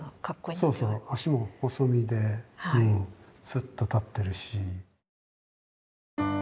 そうそう脚も細身でスっと立ってるし。